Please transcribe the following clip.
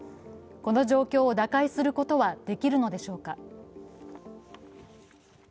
この状況を打開することはできるのでしょうか。